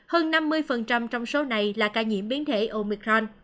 hơn năm mươi trong số này là ca nhiễm biến thể omicron